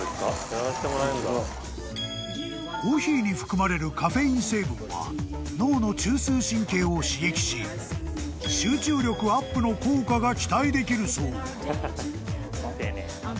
［コーヒーに含まれるカフェイン成分は脳の中枢神経を刺激し集中力アップの効果が期待できるそう］